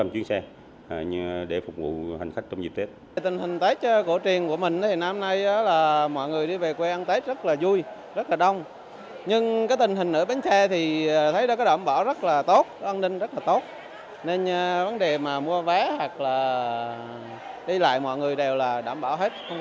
nên vấn đề mua vé hoặc đi lại mọi người đều đảm bảo hết không có vấn đề phải lo